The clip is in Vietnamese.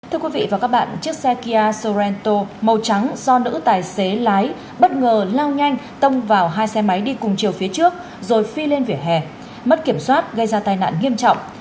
thưa quý vị và các bạn chiếc xe kia sorento màu trắng do nữ tài xế lái bất ngờ lao nhanh tông vào hai xe máy đi cùng chiều phía trước rồi phi lên vỉa hè mất kiểm soát gây ra tai nạn nghiêm trọng